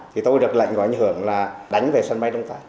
thì tôi được lệnh có ảnh hưởng là đánh về sân bay đông tát